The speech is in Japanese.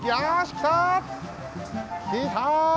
きた！